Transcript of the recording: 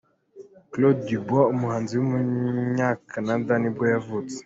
Claude Dubois, umuhanzi w’umunyakanada ni bwo yavutse.